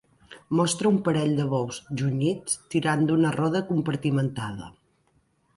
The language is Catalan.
Mostra un parell de bous junyits tirant d'una roda compartimentada.